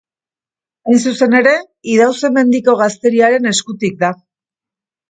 Hain zuzen ere, Idauze-Mendiko gazteriaren eskutik da.